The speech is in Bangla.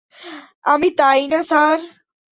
আমি, তাই না, স্যার?